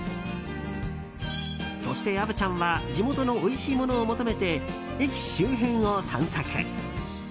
そして虻ちゃんは地元のおいしいものを求めて駅周辺を散策。